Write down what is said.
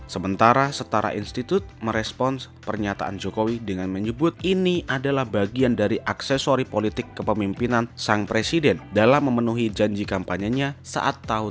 sementara setara institut merespons pernyataan jokowi dengan menyebut ini adalah bagian dari aksesori politik kepemimpinan sang presiden dalam memenuhi janji kampanyenya saat tahun dua ribu dua puluh